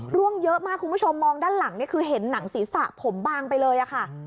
ร่วงเยอะมากคุณผู้ชมมองด้านหลังเนี่ยคือเห็นหนังศีรษะผมบางไปเลยค่ะ